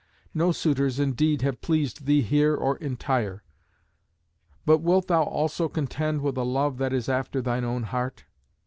No suitors indeed have pleased thee here or in Tyre, but wilt thou also contend with a love that is after thine own heart?